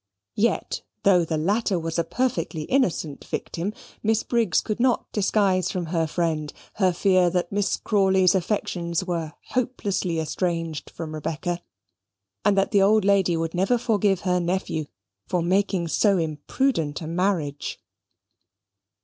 Yet, though the latter was a perfectly innocent victim, Miss Briggs could not disguise from her friend her fear that Miss Crawley's affections were hopelessly estranged from Rebecca, and that the old lady would never forgive her nephew for making so imprudent a marriage.